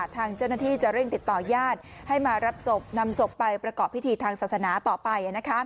ทางเจ้าหน้าที่จะเร่งติดต่อญาติให้มารับศพนำศพไปประกอบพิธีทางศาสนาต่อไป